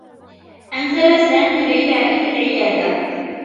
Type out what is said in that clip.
أنزل سامي ليلى إلى العيادة.